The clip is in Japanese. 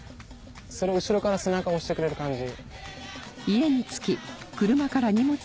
それを後ろから背中押してくれる感じ。